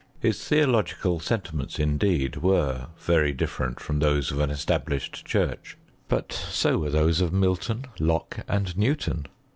His theo logical sentiments, indeed, were very different from those of the established church ; but so were those of Milton, Locke, and Newton.